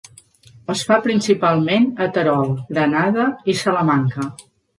Es fa principalment a Terol, Granada i Salamanca.